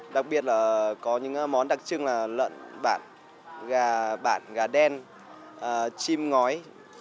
đặc biệt là có những món đặc trưng là lợn bản gà bản gà đen chim ngói